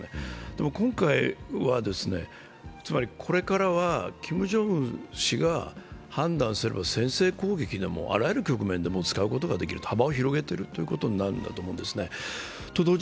でも、今回は、これからはキム・ジョンウン氏が判断すれば先制攻撃でもあらゆる局面でも使うことができると幅を広げてるということになると思うんですね。